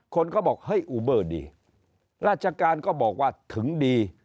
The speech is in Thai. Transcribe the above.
คนก็บอกเฮ้ยอูเบอร์ดีราชการก็บอกว่าถึงดี